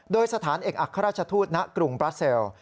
โดยสถานเอกอัครราชทูตณกรุงบราเซล